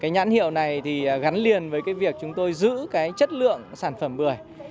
nhãn hiệu này gắn liền với việc chúng tôi giữ chất lượng sản phẩm bưởi